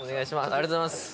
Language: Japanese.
ありがとうございます。